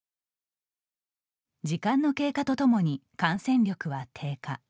時間の経過とともに感染力は低下。